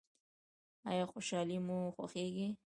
ایا خوشحالي مو خوښیږي؟